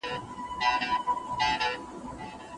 له چڼچڼو، توتکیو تر بازانو